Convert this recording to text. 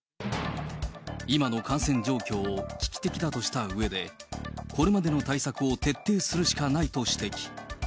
今の感染状況を危機的だとしたうえで、これまでの対策を徹底するしかないと指摘。